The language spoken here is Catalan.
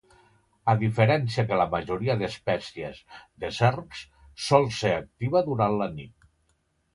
A diferència que la majoria d'espècies de serps, sol ser activa durant la nit.